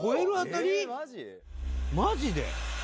マジで？